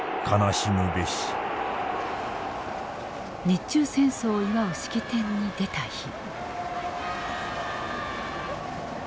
日中戦争を祝う式典に出た日。